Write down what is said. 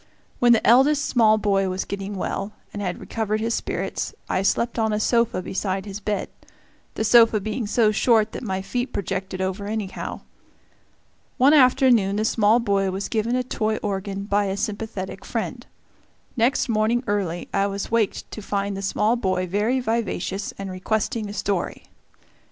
When the eldest small boy was getting well, and had recovered his spirits, I slept on a sofa beside his bed the sofa being so short that my feet projected over anyhow. One afternoon the small boy was given a toy organ by a sympathetic friend. Next morning early I was waked to find the small boy very vivacious and requesting a story.